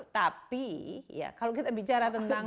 tapi ya kalau kita bicara tentang